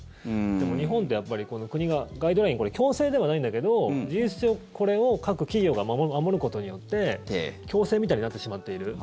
でも日本って国がガイドラインこれ、強制ではないんだけど事実上、これを各企業が守ることによって強制みたいになってしまっている。